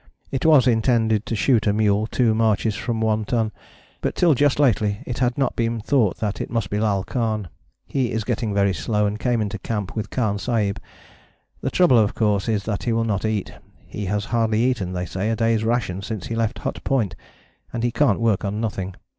It was intended to shoot a mule two marches from One Ton, but till just lately it had not been thought that it must be Lal Khan. He is getting very slow, and came into camp with Khan Sahib: the trouble of course is that he will not eat: he has hardly eaten, they say, a day's ration since he left Hut Point, and he can't work on nothing.